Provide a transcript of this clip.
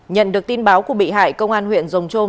nhận được tin báo của bị hại công an huyện rồng trôm